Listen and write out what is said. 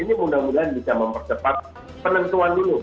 ini mudah mudahan bisa mempercepat penentuan dulu